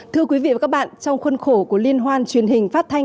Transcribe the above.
thưa quý vị và các bạn trong khuôn khổ của liên hoan truyền hình phát thanh